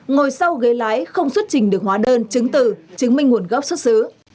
ngồi sau ghế lái không xuất trình được hóa đơn chứng từ chứng minh nguồn gốc xuất xứ